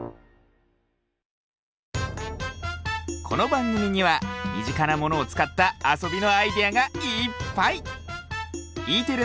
このばんぐみにはみぢかなものをつかったあそびのアイデアがいっぱい！